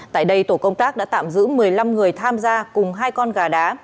tại đây tổ công tác đã tạm giữ một mươi năm người tham gia cùng hai con gà đá